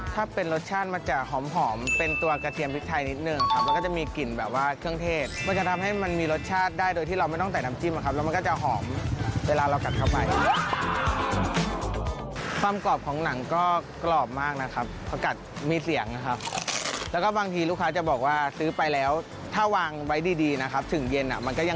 ถ้าเป็นรสชาติมันจะหอมเป็นตัวกระเทียมพริกไทยนิดนึงครับแล้วก็จะมีกลิ่นแบบว่าเครื่องเทศมันจะทำให้มันมีรสชาติได้โดยที่เราไม่ต้องใส่น้ำจิ้มอะครับแล้วมันก็จะหอมเวลาเรากัดเข้าไปความกรอบของหนังก็กรอบมากนะครับเขากัดมีเสียงนะครับแล้วก็บางทีลูกค้าจะบอกว่าซื้อไปแล้วถ้าวางไว้ดีดีนะครับถึงเย็นอ่ะมันก็ยัง